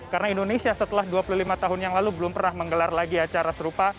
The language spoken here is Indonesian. karena indonesia setelah dua puluh lima tahun yang lalu belum pernah menggelar lagi acara serupa